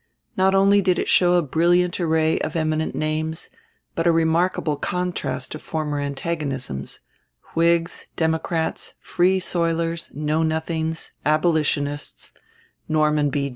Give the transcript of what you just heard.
Not only did it show a brilliant array of eminent names, but a remarkable contrast of former antagonisms: Whigs, Democrats, Free Soilers, Know Nothings, Abolitionists; Norman B.